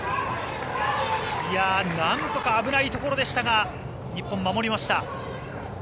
なんとか危ないところでしたが日本、守りました。